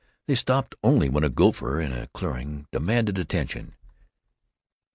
They stopped only when a gopher in a clearing demanded attention.